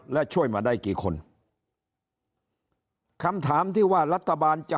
และช่วยมาได้กี่คนคำถามที่ว่ารัฐบาลจะ